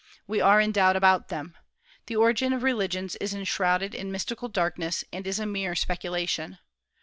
We are in doubt about them. The origin of religions is enshrouded in mystical darkness, and is a mere speculation.